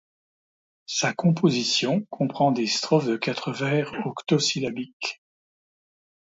Sa composition comprend des strophes de quatre vers octosyllabiques.